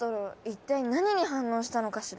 一体何に反応したのかしら？